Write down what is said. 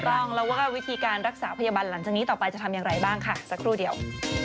ต้องแล้วว่าวิธีการรักษาพยาบาลหลังจากนี้ต่อไปจะทำอย่างไรบ้างค่ะสักครู่เดียว